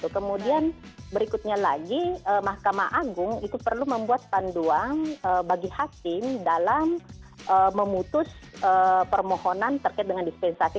kemudian berikutnya lagi mahkamah agung itu perlu membuat panduan bagi hakim dalam memutus permohonan terkait dengan dispensasi